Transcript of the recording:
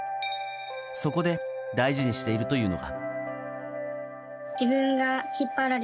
そこで大事にしているというのが。